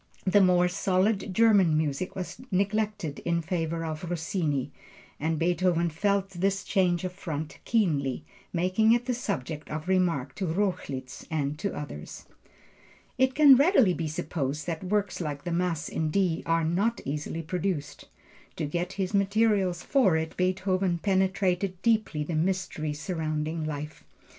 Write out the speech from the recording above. The more solid German music was neglected in favor of Rossini, and Beethoven felt this change of front keenly, making it the subject of remark to Rochlitz and to others. It can readily be supposed that works like the Mass in D are not easily produced. To get his materials for it Beethoven penetrated deeply the mystery surrounding life.